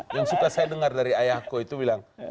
yang suka saya dengar dari ayahku itu bilang